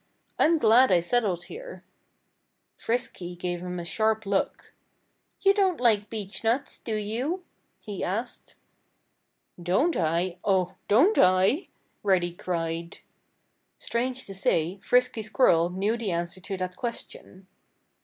"I'm glad I settled here."' Frisky gave him a sharp look. "You don't like beechnuts, do you?" he asked. "Don't I? Oh, don't I?" Reddy cried. Strange to say Frisky Squirrel knew the answer to that question.